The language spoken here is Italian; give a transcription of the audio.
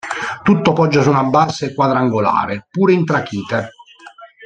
Tutto poggia su una base quadrangolare, pure in trachite.